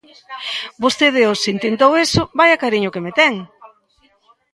Vostede hoxe intentou iso, ¡vaia cariño que me ten!